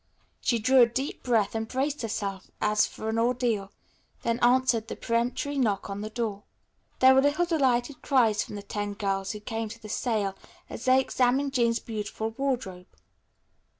She drew a deep breath and braced herself as for an ordeal, then answered the peremptory knock on the door. There were little delighted cries from the ten girls who came to the sale as they examined Jean's beautiful wardrobe.